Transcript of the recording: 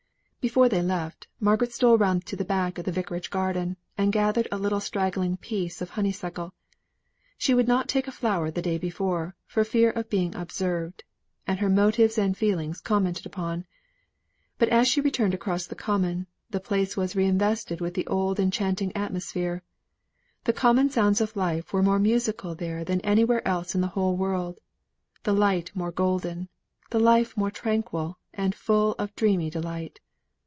Before they left, Margaret stole round to the back of the Vicarage garden, and gathered a little straggling piece of honeysuckle. She would not take a flower the day before, for fear of being observed, and her motives and feelings commented upon. But as she returned across the common, the place was reinvested with the old enchanting atmosphere. The common sounds of life were more musical there than anywhere else in the whole world, the light more golden, the life more tranquil and full of dreamy delight.